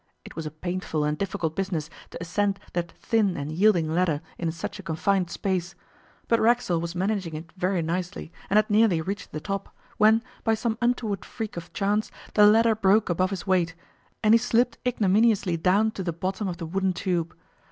It was a painful and difficult business to ascend that thin and yielding ladder in such a confined space, but Racksole was managing it very nicely, and had nearly reached the top, when, by some untoward freak of chance, the ladder broke above his weight, and he slipped ignominiously down to the bottom of the wooden tube.